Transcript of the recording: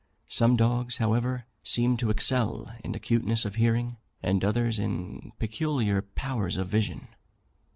Some dogs, however, seem to excel in acuteness of hearing, and others in peculiar powers of vision.